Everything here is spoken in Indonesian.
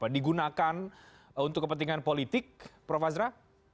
digunakan untuk kepentingan politik prof azra